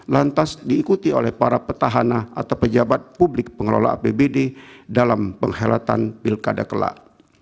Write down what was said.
lantas diikuti oleh para petahana atau pejabat publik pengelola apbd dalam penghelatan pilkada kelak